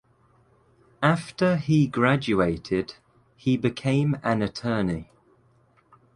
After he graduated he became an attorney.